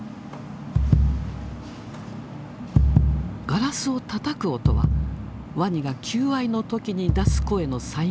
ガラスをたたく音はワニが求愛の時に出す声の再現。